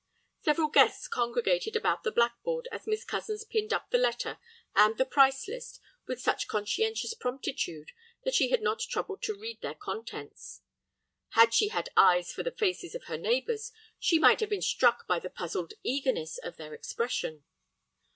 Several ladies congregated about the black board as Miss Cozens pinned up the letter and the price list with such conscientious promptitude that she had not troubled to read their contents. Had she had eyes for the faces of her neighbors she might have been struck by the puzzled eagerness of their expression.